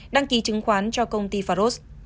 đăng ký chứng khoán cho công ty faros